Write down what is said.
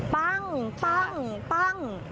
ปังปังปัง